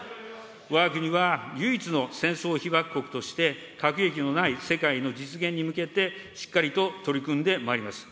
わが国は唯一の戦争被爆国として核兵器のない世界の実現に向けて、しっかりと取り組んでまいります。